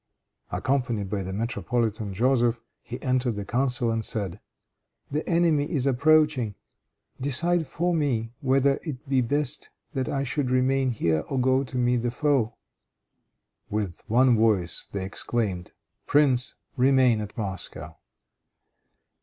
Accompanied by the metropolitan Joseph, he entered the council and said, "The enemy is approaching. Decide for me whether it be best that I should remain here or go to meet the foe." With one voice they exclaimed, "Prince, remain at Moscow."